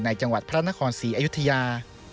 จังหวัดพระนครศรีอยุธยา